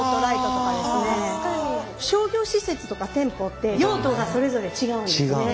商業施設とか店舗って用途がそれぞれ違うんですね。